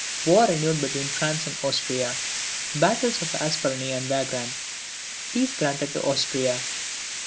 War renewed between France and Austria. Battles of Asperne and Wagram. Peace granted to Austria.